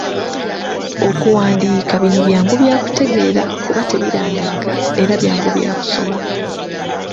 Okuwandiika bino byangu bya kutegeera kuba tebirandagga era byangu bya kusoma.